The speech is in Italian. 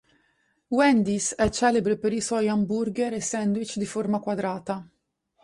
Wendy's è celebre per i suoi hamburger e sandwich di forma quadrata.